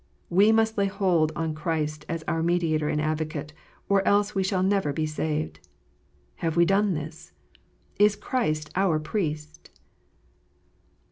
We must lay hold on Christ as our Mediator and Advocate, or else we shall never be saved. Have we done this? Is Christ our Priest